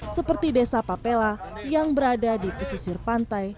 seperti desa papela yang berada di pesisir pantai